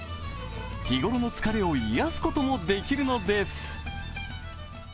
日頃の疲れを癒やすこともできるのです。